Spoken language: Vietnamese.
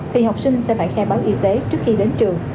thì học sinh sẽ phải khai báo y tế trước khi đến trường